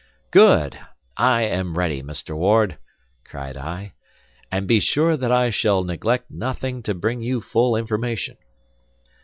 "Good! I am ready, Mr. Ward," cried I, "and be sure that I shall neglect nothing to bring you full information."